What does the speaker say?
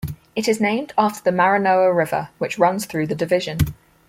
It is named after the Maranoa River, which runs through the division.